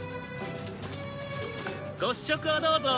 ご試食をどうぞ。